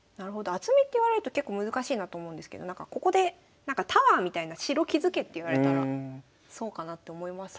厚みって言われると結構難しいなと思うんですけどここでタワーみたいな城築けって言われたらそうかなって思いますね。